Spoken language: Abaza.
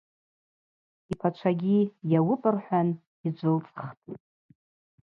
Йпачвагьи: Йауыпӏ, – рхӏван йджвылцӏхтӏ.